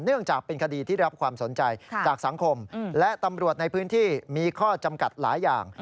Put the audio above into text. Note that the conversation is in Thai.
เนื่องจากเป็นคดีที่รับความสนใจจากสังคมและตำรวจในพื้นที่มีข้อจำกัดหลายอย่าง